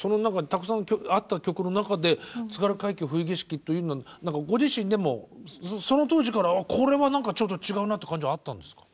たくさんあった曲の中で「津軽海峡・冬景色」というのはご自身でもその当時からこれは何かちょっと違うなって感じはあったんですか？